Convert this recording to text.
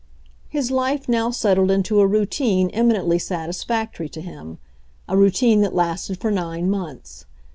His life now settled into a routine eminently satisfactory to him — a routine that lasted for nine months.